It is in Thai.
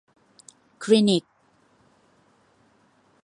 คลินิก